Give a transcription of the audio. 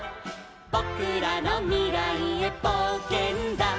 「ぼくらのみらいへぼうけんだ」